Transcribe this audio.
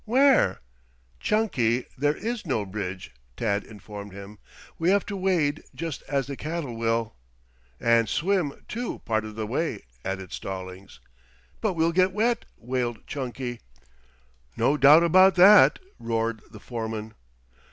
"Where?" "Chunky, there is no bridge," Tad informed him. "We have to wade, just as the cattle will." "And swim, too, part of the way," added Stallings. "But we'll get wet," wailed Chunky. "No doubt about that," roared the foreman.